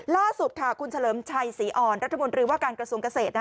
ล่าสุดค่ะคุณเฉลิมชัยศรีอ่อนรัฐมนตรีว่าการกระทรวงเกษตร